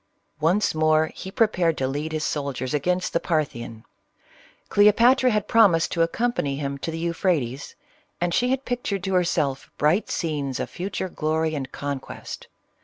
Once more he prepared to lead his soldiers against the Parthian. Cleopatra had prornised to accompany him to the Euphrates, and she had pictured to herself bright scenes of future glory and conquest.